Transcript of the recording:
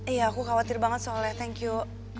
iya aku khawatir banget soalnya thank you